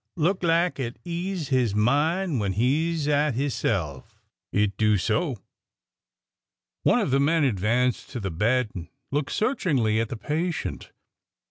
Look lak it ease his min' when he 's at hisself. It do so !" One of the men advanced to the bed and looked search ingly at the patient.